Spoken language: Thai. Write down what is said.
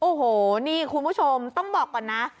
โอ้โหนี่คุณผู้ชมต้องบอกก่อนนะ